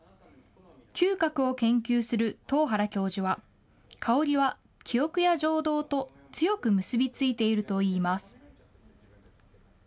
嗅覚を研究する東原教授は、香りは記憶や情動と強く結び付いているといいます。